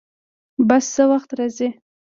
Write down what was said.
بس څه وخت راځي؟